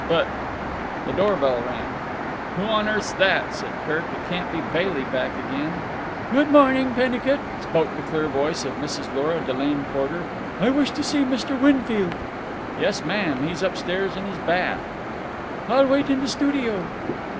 "But——" The door bell rang. "Who on earth's that?" said Kirk. "It can't be Bailey back again." "Good morning, Pennicut," spoke the clear voice of Mrs. Lora Delane Porter. "I wish to see Mr. Winfield." "Yes, ma'am. He's upstairs in 'is bath!" "I will wait in the studio."